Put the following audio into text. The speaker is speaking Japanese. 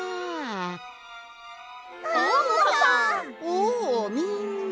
おおみんな。